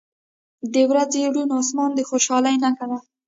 • د ورځې روڼ آسمان د خوشحالۍ نښه ده.